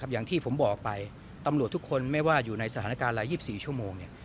อย่างที่ผมบอกไปตำรวจทุกคนไม่ว่าอยู่ในสถานการณ์อะไร๒๔ชั่วโมง